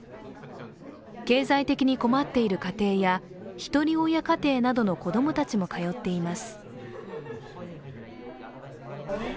経済的に困っている家庭や、ひとり親家庭などの子供たちも通っています。